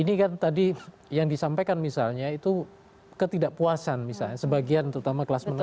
ini kan tadi yang disampaikan misalnya itu ketidakpuasan misalnya sebagian terutama kelas menengah